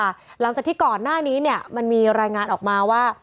หลังจากที่ก่อนหน้านี้เนี่ยมันมีรายงานออกมาว่า